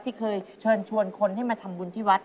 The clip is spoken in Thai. ที่เคยเชิญชวนคนให้มาทำบุญที่วัด